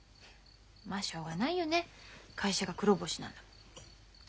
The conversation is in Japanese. まあしょうがないよね会社が黒星なんだもん。